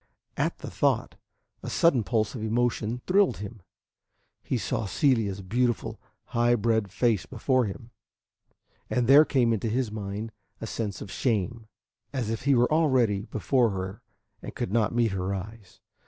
At the thought a sudden pulse of emotion thrilled him. He saw Celia's beautiful, high bred face before him, and there came into his mind a sense of shame, as if he were already before her and could not meet her eyes.